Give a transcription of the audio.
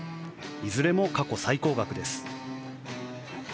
いずれも過去最高額です。